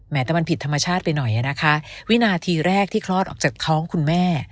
แต่มันผิดธรรมชาติไปหน่อยนะคะวินาทีแรกที่คลอดออกจากท้องคุณแม่